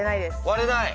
割れない。